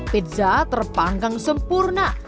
pizza terpanggang sempurna